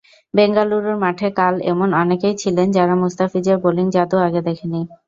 বেঙ্গালুরুর মাঠে কাল এমন অনেকেই ছিলেন যারা মুস্তাফিজের বোলিং-জাদু আগে দেখেনি।